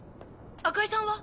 赤井さんは？